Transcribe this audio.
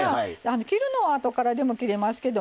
切るのはあとからでも切れますけどもね